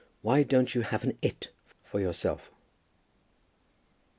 WHY DON'T YOU HAVE AN "IT" FOR YOURSELF?